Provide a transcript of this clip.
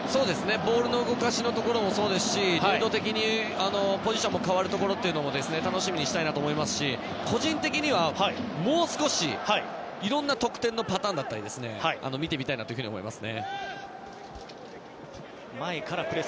ボールの動かしのところもそうですし流動的にポジションが変わるところも楽しみにしたいと思いますし個人的にはもう少しいろんな得点のパターンを見てみたいなと思います。